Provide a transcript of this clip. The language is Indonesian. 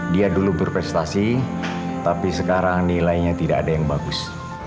dia dulu berprestasi tapi sekarang nilainya tidak ada yang bagus